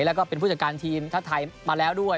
แล้วก็เป็นผู้จัดการทีมชาติไทยมาแล้วด้วย